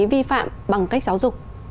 vi phạm bằng cách giáo dục